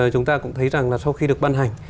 chúng ta cũng thấy rằng là sau khi được ban hành